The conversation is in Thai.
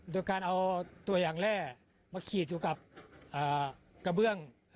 โดยการเอาตัวอย่างแร่มาขีดอยู่กับกระเบื้อง